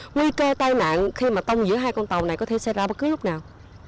nguy cơ tai nạn khi mà tông giữa hai con tàu này có thể xảy ra bất cứ lúc nào